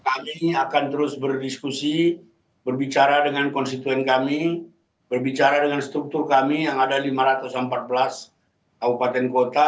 kami akan terus berdiskusi berbicara dengan konstituen kami berbicara dengan struktur kami yang ada lima ratus empat belas kabupaten kota